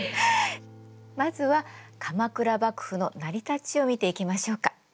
まずは鎌倉幕府の成り立ちを見ていきましょうか。